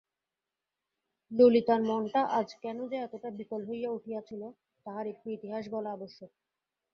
ললিতার মনটা আজ কেন যে এতটা বিকল হইয়া উঠিয়াছিল তাহার একটু ইতিহাস বলা আবশ্যক।